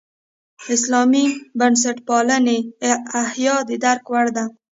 اسلامي بنسټپالنې احیا د درک وړ ده.